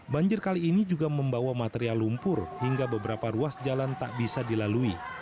banjir kali ini juga membawa material lumpur hingga beberapa ruas jalan tak bisa dilalui